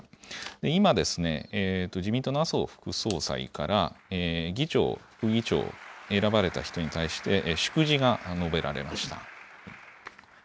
今、自民党の麻生副総裁から、議長、副議長、選ばれた人に対して祝辞が述べられました。